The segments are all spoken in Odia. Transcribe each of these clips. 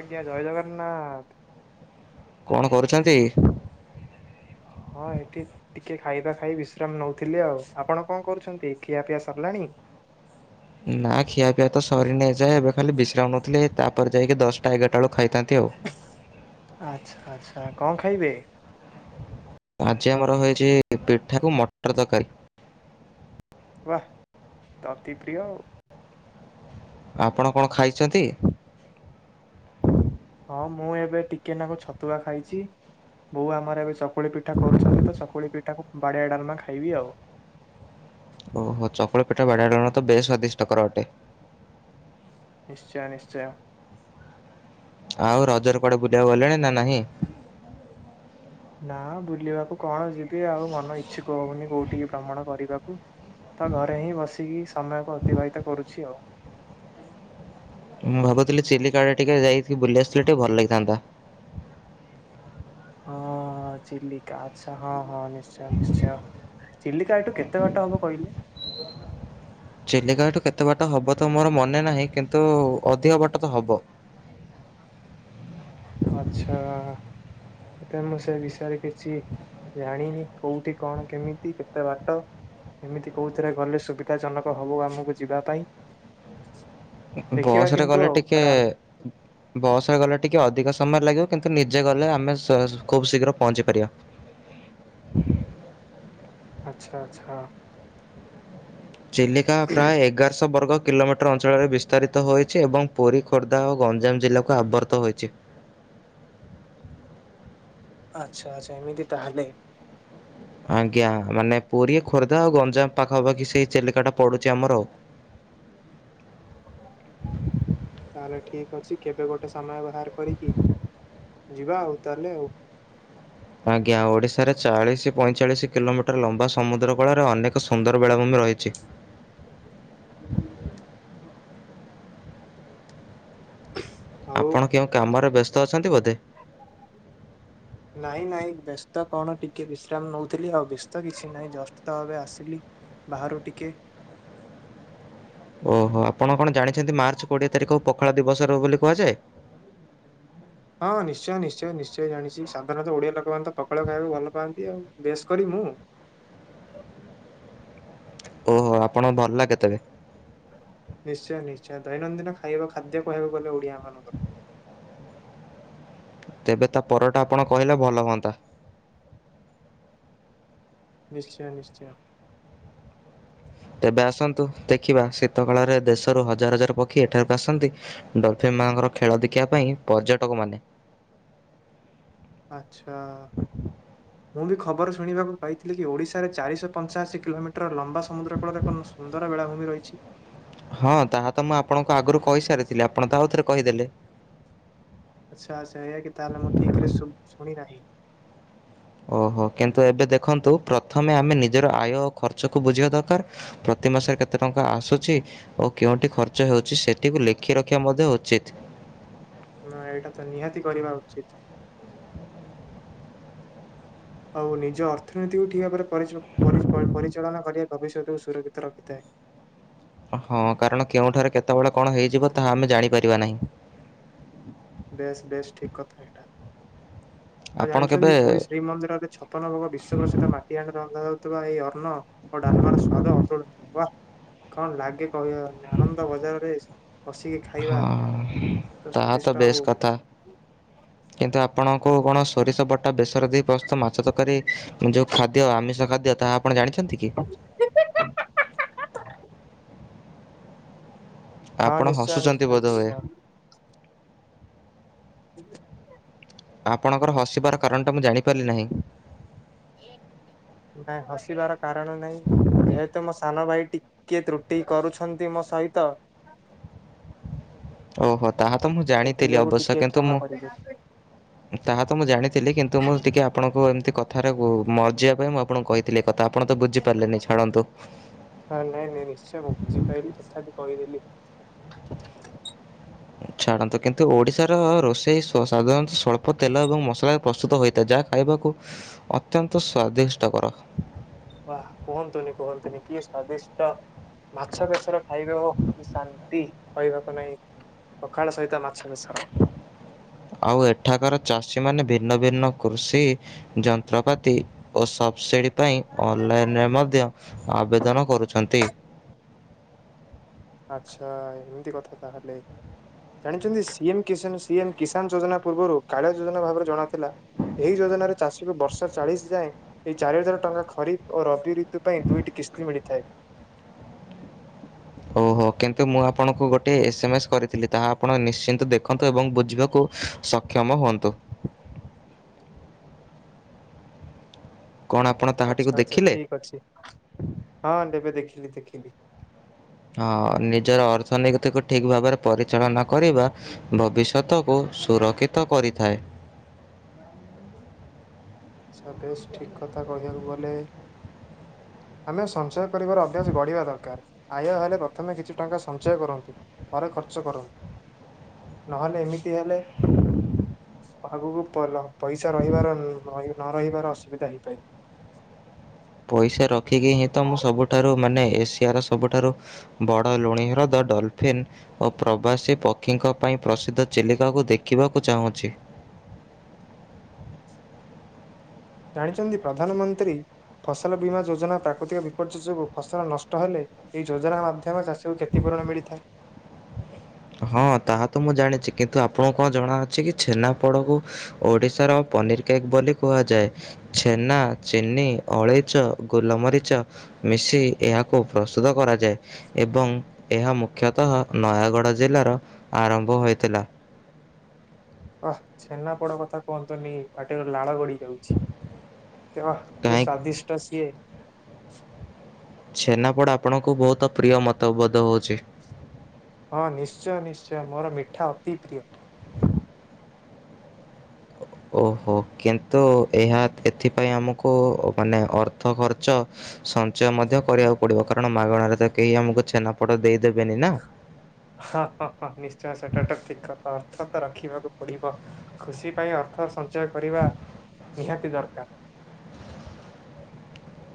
ଆଜ୍ଞା ଜୟ ଜଗନ୍ନାଥ। କଣ କରୁଛନ୍ତି? ହଁ ଏଠି ଟିକେ ଖାଇବା ଖାଇ ବିଶ୍ରାମ ନଉଥିଲି ଆଉ। ଆପଣ କଣ କରୁଛନ୍ତି, ଖିଆ ପିଆ ସରିଲାଣି? ନା ଖିଆ ପିଆ ତ ସରିନି ଏ ଯାଏଁ। ଏବେ ଖାଲି ବିଶ୍ରାମ ନଉଥିଲି। ତାପରେ ଯାଇକି ଦଶଟା ଏଗାରଟା ବେଳୁ ଖାଇଥାନ୍ତି ଆଉ। ଆଚ୍ଛା ଆଚ୍ଛା କଣ ଖାଇବେ? ଆଜି ଆମର ହେଉଛି ପିଠାକୁ ମଟର ତରକାରୀ। ବା ତ ଅତି ପ୍ରିୟ ଆଉ। ଆପଣ କଣ ଖାଇଛନ୍ତି? ହଁ ମୁଁ ଏବେ ଟିକେନାକୁ ଛତୁଆ ଖାଇଛି। ବୋଉ ଆମର ଏବେ ଚକୁୁଳି ପିଠା କରୁଛନ୍ତି ତ ଚକୁୁଳି ପିଠାକୁ ବାଡିଆ ଡାଲମା ଖାଇବି ଆଉ। ଓହୋ ଚକୁଳି ପିଠା ବାଡ଼ିଆ ଡାଲମା ବେଶ ସ୍ଵାଦିଷ୍ଟ କର ଅଟେ। ନିଶ୍ଚୟ ନିଶ୍ଚୟ। ଆଉ ରଜରେ କଆଡେ ବୁଲିବାକୁ ଗଲେଣି ନା ନାହିଁ? ନା ବୁଲିବାକୁ କଣ ଯିବି ଆଉ ମନ ଇଚ୍ଛୁକ ହଉନି କଉଠିକି ଭ୍ରମଣ କରିବାକୁ। ତ ଘରେ ହିଁ ବସିକି ସମୟକୁ ଅତିବାହିତ କରୁଛି ଆଉ। ମୁଁ ଭାବୁଥିଲି ଚିଲିକା ଆଡେ ଟିକେ ଯାଇକି ବୁଲି ଆସିଥିଲେ ଟିକେ ଭଲ ଲାଗିଥାନ୍ତା। ହଁ ଚିଲିକା ଆଚ୍ଛା ହଁ ହଁ ନିଶ୍ଚୟ ନିଶ୍ଚୟ। ଚିଲିକା ଏଠୁ କେତେ ବାଟ ହେବ କହିଲେ। ଚିଲିକା ଏଠୁ କେତେ ବାଟ ହବ ତ ମୋର ମନେ ନାହିଁ କିନ୍ତୁ ଅଧିକ ବାଟ ତ ହବ। ଆଛା ସେଥିପାଇଁ ମୁଁ ସେ ବିଷୟରେ କିଛି ଜାଣିନି କୋଉଠି କଣ କେମିତି କେତେ ବାଟ। ଏମିତି କହୁଥିରେ ଗଲେ ସୁବିଧା ଜନକ ହବ ଆମକୁ ଯିବା ପାଇଁ ଦେଖିବା ବସରେ କିନ୍ତୁ ଗଲେ ଆଉ ଟିକେ ଥରେ ଆଲୋ ବସରେ ଗଲେ ଟିକେ ଅଧିକ ସମୟ ଲାଗିବ କିନ୍ତୁ ନିଜେ ଗଲେ ଆମେ ଖୁବ ଶୀଘ୍ର ପହଞ୍ଚି ପାରିବା। ଆଚ୍ଛା ଆଚ୍ଛା ଚିଲିକା ପ୍ରାୟ ଏଗାରଶହ ବର୍ଗ କିଲୋମିଟର ଅଞ୍ଚଳରେ ବିସ୍ତାରିତ ହୋଇଛି ଏବଂ ପୁରୀ ଖୋର୍ଦ୍ଧା ଓ ଗଞ୍ଜାମ ଜିଲ୍ଲାକୁ ଆବର୍ତ୍ତ ହୋଇଛି। ଆଚ୍ଛା ଆଛା ଏମିତି ତାହେଲେ। ଆଜ୍ଞା ମାନେ ପୁରୀ ଖୋର୍ଦ୍ଧା ଆଉ ଗଞ୍ଜାମ ପାଖାପାଖି ସେଇ ଚିଲିକାଟା ପଡୁଛି ଆମର ଆଉ। ତାହେଲେ ଠିକ୍ ଅଛି କେବେ ଗୋଟେ ସମୟ ବାହାର କରିକି ଯିବା ଆଉ ତାହେଲେ ଆଉ। ଆଜ୍ଞା ଓଡିଶାରେ ଚାଳିଶ ପଇଁଚାଳିଶ କିଲୋମିଟର ଲମ୍ବା ସମୁଦ୍ର କୂଳରେ ଅନେକ ଏକ ସୁନ୍ଦର ବେଳାଭୂମି ରହିଛି। [inaudible] ଆପଣ କେଉଁ କାମରେ ବ୍ୟସ୍ତ ଅଛନ୍ତି ବୋଧେ? ନାଇଁ ନାଇଁ ବ୍ୟସ୍ତ କଣ ଟିକେ ବିଶ୍ରାମ ନଉଥିଲି ଆଉ ବ୍ୟସ୍ତ କିଛି ନାହିଁ ଜଷ୍ଟ ତ ଏବେ ଆସିଲି। ବାହାରୁ ଟିକେ। ଓହୋ ଆପଣ କଣ ଜାଣିଛନ୍ତି ମାର୍ଚ୍ଚ କୋଡ଼ିଏ ତାରିଖକୁ ପଖାଳ ଦିବସର ବୋଲି କୁହାଯାଏ। ହଁ ନିଶ୍ଚୟ ନିଶ୍ଚୟ ନିଶ୍ଚୟ ଜାଣିଛି ସାଧାରଣତଃ ଓଡିଆ ଲୋକମାନେ ତ ପଖାଳ ଖାଇବାକୁ ଭଲ ପାଆନ୍ତି ଆଉ ବେଶ କରି ମୁଁ। ଓହୋ ଆପଣକୁ ଭଲଲାଗେ ତେବେ। ନିଶ୍ଚୟ ନିଶ୍ଚୟ ଦୈନନ୍ଦିନ ଖାଇବା ଖାଦ୍ୟ କହିବାକୁ ଗଲେ ଓଡିଆ ମାନଙ୍କର। ତେବେ ତା ପରଟା ଆପଣ କହିଲେ ଭଲ ହୁଅନ୍ତା। ନିଶ୍ଚୟ ନିଶ୍ଚୟ ତେବେ ଆସନ୍ତୁ ଦେଖିବା ଶୀତ କାଳରେ ଦେଶରୁ ହଜାର ହଜାର ପକ୍ଷୀ ଏଠାକୁ ଆସନ୍ତି। ଡଲଫିନ୍ ମାନଙ୍କର ଖେଳ ଦେଖିବା ପାଇଁ ପର୍ଯ୍ୟଟକ ମାନେ। ଆଚ୍ଛା [inaudible] ମୁଁ ବି ଖବର ଶୁଣିବାକୁ ପାଇଥିଲି କି ଓଡ଼ିଶାରେ ଚାରିଶହ ପଞ୍ଚାଅଶୀ କିଲୋମିଟର ଲମ୍ବା ସମୁଦ୍ରକୂଳରେ ଏକ ସୁନ୍ଦର ବେଳାଭୂମି ରହିଛି। ହଁ ତାହା ତ ମୁଁ ଆପଣଙ୍କୁ ଆଗରୁ କହିସାରିଥିଲି ଆପଣ ତ ଆଉଥରେ କହିଦେଲେ। ଆଚ୍ଛା ଆଚ୍ଛା ଏଇଆ କି ତାହେଲେ ମୁଁ ଠିକରେ ସୁ ଶୁଣି ନାହିଁ। ଓହୋ କିନ୍ତୁ ଏବେ ଦେଖନ୍ତୁ ପ୍ରଥମେ ଆମେ ନିଜର ଆୟ ଖର୍ଚ୍ଚକୁ ବୁଝିବା ଦରକାର। ପ୍ରତି ମାସରେ କେତେ ଟଙ୍କା ଆସୁଛି। ଓ କେଉଁଠି ଖର୍ଚ୍ଚ ହେଉଛି ସେଟିକୁ ଲେଖି ରଖିବା ମଧ୍ୟ ଉଚିତ। ନା ଏଇଟା ତ ନିହାତି କରିବା ଉଚିତ୍। ଆଉ ନିଜ ଅର୍ଥନୀତିକୁ ଠିକ୍ ଭାବରେ ପରିଚ ପରି ପରିଚାଳନା କରିବା ଭବିଷ୍ୟତକୁ ସୁରକ୍ଷିତ ରଖିଥାଏ। ହଁ କାରଣ କେଉଁଠାରେ କେତେବେଳେ କଣ ହେଇଯିବ ତାହା ଆମେ ଜାଣିପାରିବା ନାହିଁ। ବେଶ ବେଶ ଠିକ୍ କଥା। ହଁ ଆପଣ ଜାଣିଚନ୍ତି କେବେ ପୁରୀ ଶ୍ରୀମନ୍ଦିରରେ ପନ ଭୋଗ ବିଶ୍ଵ ପ୍ରସିଦ୍ଧ ମାଟି ହାଣ୍ଡିରେ ରନ୍ଧା ଯାଉଥିବା ଏଇ ଅନ୍ନ ଓ ଡାଲମାର ସ୍ଵାଦ ଅତୁଳନୀୟ ୱା। କଣ ଲାଗେ କହିବା ଆନନ୍ଦ ବଜାରରେ ବସିକି ଖାଇବା ହଁ ତାହା ସ୍ଵାଦିଷ୍ଟ ତ ଆଉ ବେଶ କଥା। କିନ୍ତୁ ଆପଣଙ୍କୁ କଣ ସୋରିଷ ବଟା ବେସର ଦେଇ ତ ମାଛ ତକାରୀ ଯୋଉ ଖାଦ୍ୟ ଆମିଷ ଖାଦ୍ୟ ତାହା ଆପଣ ଜାଣିଛନ୍ତି କି? [inaudible] ହଁ ଆପଣ ନିଶ୍ଚୟ ହସୁଚନ୍ତି ନିଶ୍ଚୟ ବୋଧୋ ହୋଏ ନିଶ୍ଚୟ [inaudible] ଆପଣଙ୍କର ହସିବାର କାରଣଟା ମୁଁ ଜାଣିପାରିଲି ନାହିଁ। ନା ହସିବାର କାରଣ ନାଇଁ। ଯେହେତୁ ମୋ ସାନ ଭାଇ ଟିକେ ତ୍ରୁଟି କରୁଛନ୍ତି ମୋ ସହିତ ଓହୋ। ତାହା ତ ମୁଁ ସେଥି ଜାଣିଥିଲି ଯୋଗୁ ଅବଶ୍ୟ ଟିକେ କିନ୍ତୁ କ୍ଷମା ମୁଁ କରିବେ ତାହା ତ ମୁଁ ଜାଣିଥିଲି କିନ୍ତୁ ମୁଁ ଟିକେ ଅପ ଆପଣଙ୍କୁ ଏମିତି କଥାରେ ମଜିବା ପାଇଁ ମୁଁ ଆପଣଙ୍କୁ କହିଥିଲି ଏ କଥା ଆପଣ ତ ବୁଝିପାରିଲେନି ଛାଡ଼ନ୍ତୁ। ହଁ ନାଇଁ ନାଇଁ ନିଶ୍ଚୟ ମୁଁ ବୁଝିପାରିଲି ତଥାପି କହିଦେଲି। ଛାଡ଼ନ୍ତୁ କିନ୍ତୁ ଓଡ଼ିଶାର ରୋଷେଇ ସ୍ଵ ସାଧାରଣ ସ୍ୱଳ୍ପ ତେଲ ଏବଂ ମସଲା ପ୍ରସ୍ତୁତ ହୋଇଥାଏ ଯାହା ଖାଇବାକୁ ଅତ୍ୟନ୍ତ ସ୍ଵାଦିଷ୍ଟକର। ବା କୁହନ୍ତୁନି କୁହନ୍ତୁନି କିଏ ସ୍ଵାଦିଷ୍ଟ। ମାଛ ବେସର ଖାଇବେ ଓ କି ଶାନ୍ତି କହିବାକୁ ନାଇଁ। ପଖାଳ ସହିତ ମାଛ ବେଶର ଆଉ ଏଠାକାର ଚାଷୀ ମାନେ ଭିନ୍ନ ଭିନ୍ନ କୃଷି ଯନ୍ତ୍ରପାତି ଓ ସବ୍ ସିଡ଼ି ପାଇଁ ଅନ୍ ଲାଇନରେ ମଧ୍ୟ ଆବେଦନ କରୁଚନ୍ତି। ଆଛା ଏମିତି କଥା ତାହେଲେ। ଜାଣିଚନ୍ତି ସିଏମ୍ କିଷାନ୍ ସିଏମ୍ କିଷାନ୍ ଯୋଜନା ପୂର୍ବରୁ କାଳିଆ ଯୋଜନା ଭାବରେ ଜଣା ଥିଲା। ଏହି ଯୋଜନାରେ ଚାଷୀକୁ ବର୍ଷ ଚାଳିଶ ଯାଏଁ ଏଇ ଚାରି ହଜାର ଟଙ୍କା ଖରିଫ୍ ଓ ରବି ଏଥି ପାଇଁ ଦୁଇଟି କିସ୍ତି ମିଳିଥାଏ। ଓହୋ କିନ୍ତୁ ମୁଁ ଆପଣଙ୍କୁ ଗୋଟିଏ ଏସେ ମେସ କରିଥିଲି ତାହା ଆପଣ ନିଶ୍ଚିନ୍ତ ଦେଖନ୍ତୁ ଏବଂ ବୁଝିବାକୁ ସକ୍ଷମ ହୁଅନ୍ତୁ। କଣ ଆ ଆଛା ଆଛା ଠିକ୍ ଅଛି ହଁ ଦେବେ ଦେଖିଲି ଦେଖିଲି। ହଁ ନିଜର ଅର୍ଥନୀତିକୁ ଠିକ୍ ଭାବରେ ପରିଚାଳନା କରିବା। ଭବିଷତକୁ ସୁରକ୍ଷିତ କରିଥାଏ। ସ ଦେଶ୍ ଠିକ୍ କଥା କହିବାକୁ ଗଲେ ଆମେ ସଞ୍ଚୟ କରିବାର ଅଭ୍ୟାସ ଗଢିବା ଦରକାର। ଆୟ ହେଲେ ପ୍ରଥମେ କିଛି ଟଙ୍କା ସଞ୍ଚୟ କରନ୍ତୁ ଫରେ ଖର୍ଚ୍ଚ କରନ୍ତୁ। ନହେଲେ ଏମିତି ହେଲେ ଆଗକୁ ପଲ ପଇସା ରହିବାର ଲ ଲଗେ। ନ ରହିବାର ଅସୁବିଧା ହେଇପାରେ। ପଇସା ରଖିକି ହିଁ ତ ମୁଁ ସବୁଠାରୁ ମାନେ ଏସିଆର ସବୁଠାରୁ ବଡ଼ ଲୁଣିହ୍ରଦ ଡଲଫିନ୍ ଓ ପ୍ରବାସୀ ପକ୍ଷୀଙ୍କ ପାଇଁ ପ୍ରସିଦ୍ଧ ଚିଲିକାକୁ ଦେଖିବାକୁ ଚାହୁଁଚି। ଜାଣିଚନ୍ତି ପ୍ରଧାନମନ୍ତ୍ରୀ ଫସଲ ବୀମା ଯୋଜନା ପ୍ରାକୃତିକ ବିପର୍ଯ୍ୟୟ ଯୋଗୁଁ ଫସଲ ନଷ୍ଟ ହେଲେ ଏହି ଯୋଜନା ମାଧ୍ୟ ମ ଚାଷୀ କ୍ଷତି ପୂରଣ ମିଳିଥାଏ। ହଁ ତାହା ତ ମୁଁ ଜାଣିଛି କିନ୍ତୁ ଆପଣଙ୍କୁ କଣ ଜଣାଅଛି କି ଛେନା ପୋଡକୁ ଓଡିଶାର ପନିର୍ କେକ୍ ବୋଲି କୁହାଯାଏ। ଛେନା, ଚିନି, ଅଳେଇଚ, ଗୋଲମରିଚ ମିଶି ଏହାକୁ ପ୍ରସ୍ତୁତ କରାଯାଏ ଏବଂ ଏହା ମୁଖ୍ୟତଃ ନୟାଗଡ଼ ଜିଲ୍ଲାର ଆରମ୍ଭ ହୋଇଥିଲା। ଓଃ ଛେନା ପୋଡ କଥା କୁହନ୍ତୁନି, ପାଟିରୁ ଲାଳ ଗଡି ଯାଉଛି। କିବା କି କାହିଁ ସ୍ୱାଦିଷ୍ଟ ସିଏ। ଛେନାପୋଡ଼ ଆପଣଙ୍କୁ ବହୁତ ପ୍ରିୟ ମତବୋଧ ହଉଚି। ହଁ ନିଶ୍ଚୟ ନିଶ୍ଚୟ, ମୋର ମିଠା ଅତି ପ୍ରିୟ। ଓହୋ। କିନ୍ତୁ ଏହା ଏଥିପାଇଁ ଆମକୁ ମାନେ ଅର୍ଥ ଖର୍ଚ୍ଚ ସଞ୍ଚୟ ମଧ୍ୟ କରିବାକୁ ପଡିବ, କାରଣ ମାଗଣାରେ ତ କେହି ଆମକୁ ଛେନାପୋଡ଼ ଦେଇଦେବେନି ନା। ହାଁ-ହଁ-ହଁ। ନିଶ୍ଚୟ ସେଟାଟ ଠିକ୍ କଥା, ଅର୍ଥ ତ ରଖିବାକୁ ପଡିବ। ଖୁସି ପାଇଁ ଅର୍ଥ ସଞ୍ଚୟ କରିବା ନିହାତି ଦରକାର।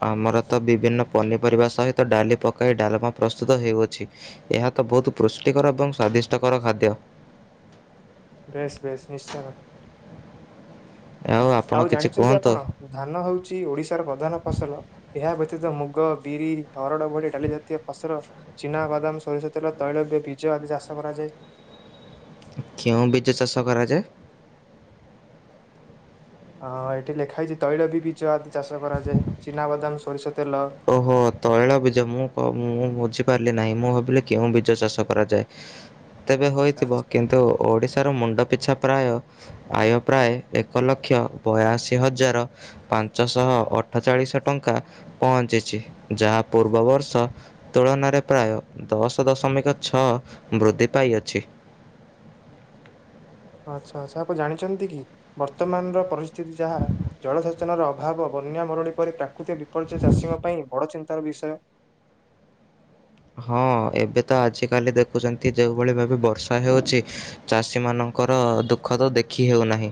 ଆମର ତ ବିଭିନ୍ନ ପନିପରିବା ସହିତ ଡାଲି ପକାଇ ଡାଲମା ପ୍ରସ୍ତୁତ ହେଉଅଛି। ଏହା ତ ବହୁତ ପୁଷ୍ଟିକର ଏବଂ ସ୍ଵାଦିଷ୍ଟକର ଖାଦ୍ୟ। ଡ୍ରେସ୍ ବେଶ ନିଶ୍ଚୟ। ଆପଣ ଆଉ କିଛି ଜାଣିଛନ୍ତି କୁହନ୍ତୁ, ଆପଣ, ଧାନ ହଉଛି ଓଡିଶାର ପ୍ରଧାନ ଫସଲ। ଏହା ବ୍ୟତୀତ ମୁଗ, ବିରି, ହରଡ ଭଳି ଡାଲିଜାତୀୟ ଫସଲ ଚିନାବାଦାମ, ସୋରିଷ ତେଲ, ତୈଳବୀ-ବୀଜ ଆଦି ଚାଷ କରାଯାଏ। କେଉଁ ବୀଜ ଚାଷ କରାଯାଏ? ଅ ଏଠି ଲେଖା ହେଇଛି ତୈଳବି-ବୀଜ ଆଦି ଚାଷ କରାଯାଏ। ଚିନାବାଦାମ, ସୋରିଷ ତେଲ ଓହୋ ତୈଳବୀଜ, ମୁଁ କ ମୁଁ ବୁଝିପାରିଲି ନାହିଁ। ମୁଁ ଭାବିଲି କେଉଁ ବୀଜ ଚାଷ କରାଯାଏ? ତେବେ ଆଚ୍ଛା ହୋଇଥିବ, ଆଚ୍ଛା। କିନ୍ତୁ ଓଡିଶାର ମୁଣ୍ଡ ପିଛା ପ୍ରାୟ ଆୟ ପ୍ରାୟ ଏକ ଲକ୍ଷ ବୟାଅଶୀ ହଜାର ପାଞ୍ଚଶହ ଅଠଚାଳିଶ ଟଙ୍କା ପହଞ୍ଚିଛି। ଯାହା ପୂର୍ବ ବର୍ଷ ତୁଳନାରେ ପ୍ରାୟ ଦଶ ଦଶମିକ ଛଅ ବୃଦ୍ଧି ପାଇଅଛି। ଆଚ୍ଛା ଆଚ୍ଛା। ଆପଣ ଜାଣିଛନ୍ତି କି, ବର୍ତ୍ତମାନର ପରିସ୍ଥିତି ଯାହା ଜଳସେଚନର ଅଭାବ, ବନ୍ୟା, ମରୁଡି ପରି ପ୍ରାକୃତିକ ବିପର୍ଯ୍ୟୟ, ଚାଷୀଙ୍କ ପାଇଁ ବଡ଼ ଚିନ୍ତାର ବିଷୟ। ହଁ। ଏବେ ତ ଆଜିିକାଲି ଦେଖୁଛନ୍ତି ଯୋଉ ଭଳି ଭାବେ ବର୍ଷା ହେଉଚି ଚାଷୀମାନଙ୍କର ଦୁଃଖ ତ ଦେଖି ହେଉନାହିଁ।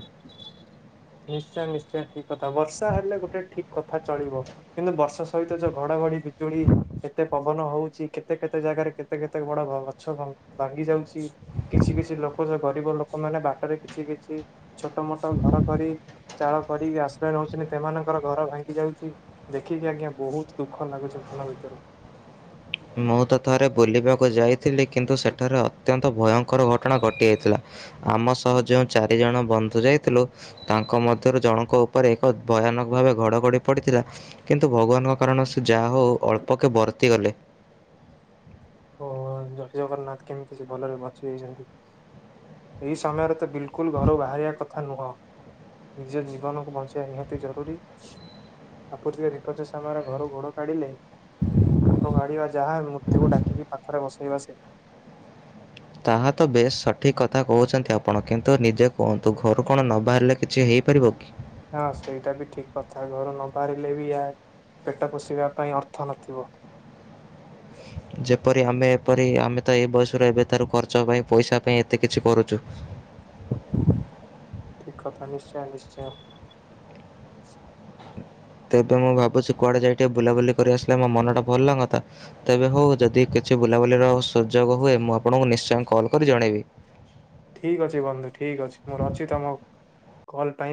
ନିଶ୍ଚୟ ନିଶ୍ଚୟ ଠିକ କଥା। ବର୍ଷା ହେଲେ ଗୋଟେ ଠିକ କଥା ଚଳିବ କିନ୍ତୁ ବର୍ଷା ସହିତ ଯୋଉ ଘଡଘଡି, ବିଜୁଳି କେତେ ପବନ ହଉଛି, କେତେ କେତେ ଜାଗାରେ କେତେ କେତେ ବଡ ଘ ଗଛ ଭ ଭାଙ୍ଗି ଯାଉଛି କିଛି କିଛି ଲୋକ ଯୋଉ ଗରିବ ଲୋକମାନେ ବାଟରେ କିଛି କିଛି ଛୋଟ ମୋଟ ଘର କରି ଚାଳ କରିକି ଆଶ୍ରୟ ନଉଛନ୍ତି ସେମାନଙ୍କର ଘର ଭାଙ୍ଗି ଯାଉଛି। ଦେଖିକି ଆଜ୍ଞା ବହୁତ ଦୁଃଖ ଲାଗୁଛି ମନ ଭିତରୁ। ମୁଁ ତ ଥରେ ବୁଲିବାକୁ ଯାଇଥିଲି କିନ୍ତୁ ସେଠାରେ ଅତ୍ୟନ୍ତ ଭୟଙ୍କର ଘଟଣା ଘଟିଯାଇଥିଲା। ଆମ ସହ ଯେଉଁ ଚାରିଜଣ ବନ୍ଧୁ ଯାଇଥିଲୁ ତାଙ୍କ ମଧ୍ୟରୁ ଜଣଙ୍କ ଉପରେ ଏକ ଭୟାନକ ଭାବେ ଘଡଘଡି ପଡିଥିଲା କିନ୍ତୁ ଭଗବାନଙ୍କ କାରଣରୁ ସେ ଯାହା ହଉ ଅଳ୍ପକେ ବର୍ତ୍ତି ଗଲେ। ଓ ଜୟ ଜଗନ୍ନାଥ। କେମିତି ସେ ଭଲରେ ବଞ୍ଚିଯାଇଛନ୍ତି। ଏହି ସମୟରେ ତ ବିଲକୁଲ ଘରୁ ବାହାରିବା କଥା ନୁହଁ। ନିଜ ଜୀବନକୁ ବଞ୍ଚେଇବା ନିହାତି ଜରୁରୀ ପ୍ରାକୃତିକ ବିପର୍ଯ୍ୟୟ ସମୟରେ ଘରୁ ଗୋଡ କାଢିଲେ ଘରୁ କାଢ଼ିବା ଯାହା ମୃତ୍ୟୁକୁ ଡାକିକି ପାଖରେ ବସେଇବା ସେଇଆ। ତାହା ତ ବେଶ୍ ସଠିକ୍ କଥା କହୁଛନ୍ତି ଆପଣ କିନ୍ତୁ ନିଜ କୁହନ୍ତୁ, ଘରୁ କଣ ନ ବାହାରିଲେ କିଛି ହେଇପାରିବ କି? ହଁ ସେଇଟା ବି ଠିକ କଥା। ଘରୁ ନ ବାହାରିଲେ ବି ୟା ପେଟ ପୋଷିବା ପାଇଁ ଅର୍ଥ ନଥିବ। ଯେପରି ଆମେ ଏପରି ଆମେ ତ ଏ ବୟସରୁ ଏବେ ତାର ଖର୍ଚ୍ଚ ପାଇଁ ପଇସା ପାଇଁ ଏତେ କିଛି କରୁଚୁ ଠିକ୍ କଥା, ନିଶ୍ଚୟ ନିଶ୍ଚୟ। ତେବେ ମୁଁ ଭାବୁଛି, କୁଆଡେ ଯାଇ ଟିକେ ବୁଲାବୁଲି କରି ଆସିଲେ ମୋ ମନଟା ଭଲ ଲାଗନ୍ତା ତେବେ ହଉ ଯଦି କିଛି ବୁଲାବୁଲିର ସୁଯୋଗ ହୁଏ, ମୁଁ ଆପଣଙ୍କୁ ନିଶ୍ଚୟ କଲ୍ କରି ଜଣେଇବି। ଠିକ୍ ଅଛି ବନ୍ଧୁ ଠିକ୍ ଅଛି ମୋର ଅଛି ତମ କଲ୍ ଟାଇମ୍।